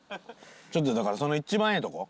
ちょっとだからその一番ええとこ。